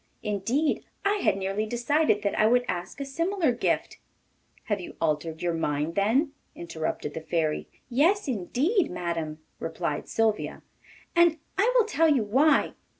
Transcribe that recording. Indeed, I had nearly decided that I would ask a similar gift.' 'Have you altered your mind, then?' interrupted the Fairy. 'Yes, indeed, madam,' replied Sylvia; 'and I will tell you why.